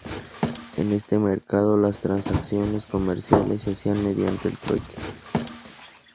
En este mercado las transacciones comerciales se hacían mediante el trueque.